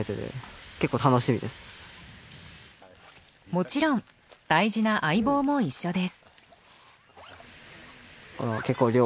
もちろん大事な相棒も一緒です。